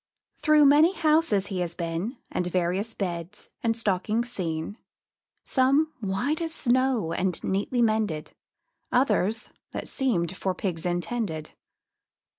Through many houses he has been, And various beds and stockings seen; Some, white as snow, and neatly mended, Others, that seemed for pigs intended.